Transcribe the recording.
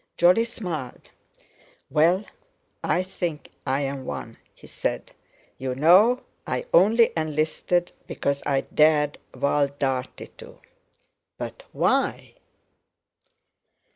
Jolly smiled. "Well, I think I'm one," he said. "You know, I only enlisted because I dared Val Dartie to." "But why?"